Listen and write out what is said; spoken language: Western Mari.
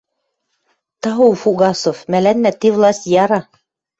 — Тау, Фугасов, мӓлӓннӓ ти власть яра.